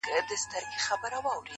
چي اوږدې نه کړي هیڅوک پښې له شړیو٫